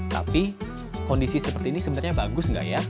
tapi kondisi seperti ini sebenarnya bagus nggak ya